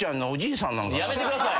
やめてください！